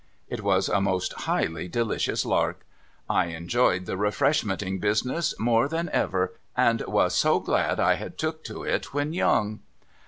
It was a most highly delicious lark. I enjoyed the Refreshmenting business more than ever, and was so glad I had took to it Avhen young.